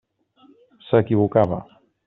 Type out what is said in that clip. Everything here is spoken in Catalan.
S'equivocava.